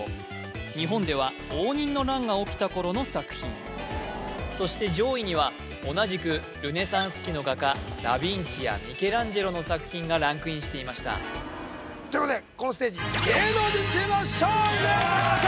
日本では応仁の乱が起きた頃の作品そして上位には同じくルネサンス期の画家ダ・ヴィンチやミケランジェロの作品がランクインしていましたということで鶴崎